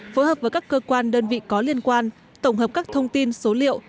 phối hợp với các cơ quan đơn vị có liên quan tổng hợp các thông tin số liệu